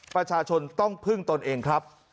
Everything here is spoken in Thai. ประชาชนต้องพึ่งตนเองครับ